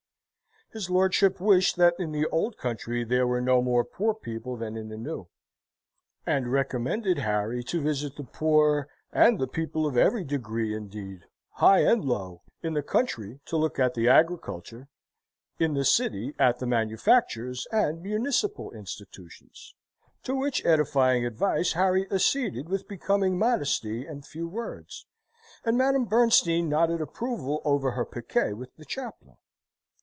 His lordship wished that in the old country there were no more poor people than in the new: and recommended Harry to visit the poor and people of every degree, indeed, high and low in the country to look at the agriculture, in the city at the manufactures and municipal institutions to which edifying advice Harry acceded with becoming modesty and few words, and Madame Bernstein nodded approval over her piquet with the chaplain.